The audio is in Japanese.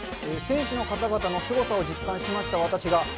選手の方々のすごさを実感しました、私が。